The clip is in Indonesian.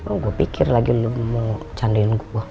oh gue pikir lagi lo mau bercandain gue